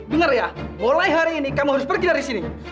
dengar ya mulai hari ini kamu harus pergi dari sini